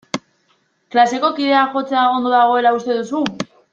Klaseko kideak jotzea ondo dagoela uste duzu?